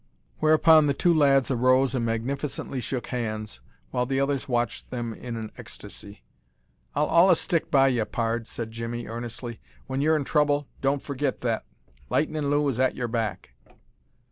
Whereupon the two lads arose and magnificently shook hands, while the others watched them in an ecstasy. "I'll allus stick by ye, pard," said Jimmie, earnestly. "When yer in trouble, don't forgit that Lightnin' Lou is at yer back."